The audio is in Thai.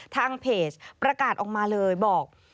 ทางเพจประกาศออกมาเลยบอก